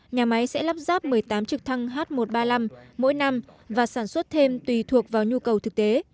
nhà máy sẽ lắp ráp một mươi tám trực thăng h một trăm ba mươi năm mỗi năm và sản xuất thêm tùy thuộc vào nhu cầu thực tế